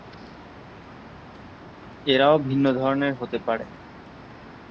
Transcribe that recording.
এরাও বিভিন্ন ধরনের হতে পারে।